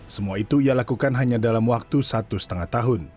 semua itu ia lakukan hanya dalam waktu satu lima tahun